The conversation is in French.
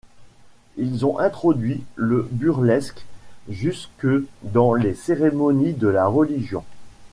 Ils ont introduit le burlesque jusque dans les cérémonies de la religion.